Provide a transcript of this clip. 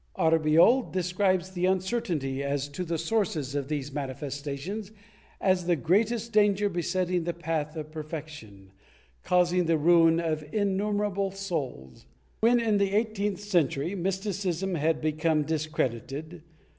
^ Arbiol describes the uncertainty as to the sources of these mani festations as the greatest danger besetting the path of perfection, causing the ruin of innumerable souls.^ When, in the eighteenth century, mysticism had become discredited.